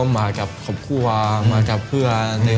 มากับครอบครัวมากับเพื่อน